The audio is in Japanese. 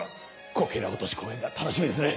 こけら落とし公演が楽しみですね。